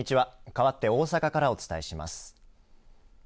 かわって大阪からお伝えします。